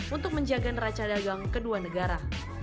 untuk menjaga neracada yang kedua negara